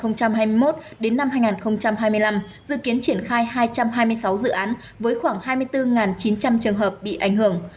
giai đoạn hai nghìn hai mươi một hai nghìn hai mươi năm dự kiến triển khai hai trăm hai mươi sáu dự án với khoảng hai mươi bốn chín trăm linh trường hợp bị ảnh hưởng